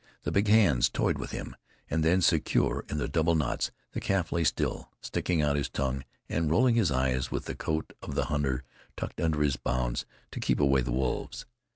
The big hands toyed with him; and then, secure in the double knots, the calf lay still, sticking out his tongue and rolling his eyes, with the coat of the hunter tucked under his bonds to keep away the wolves.